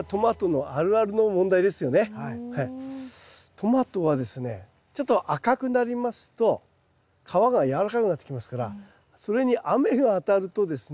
トマトはですねちょっと赤くなりますと皮がやわらかくなってきますからそれに雨が当たるとですね